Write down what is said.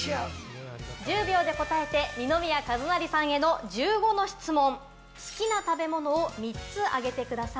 １０秒で答えて、二宮和也さんへの１５の質問。